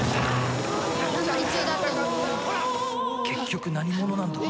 結局何者なんだ？